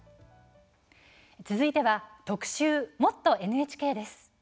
続いては特集「もっとＮＨＫ」です。